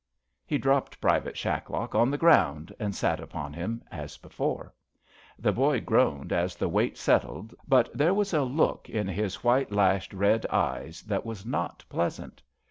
He dropped Private Shacklock on the ground and sat upon him as before. The boy groaned as the weight settled, but there was a look in his white lashed, red eyes that was not pleasant.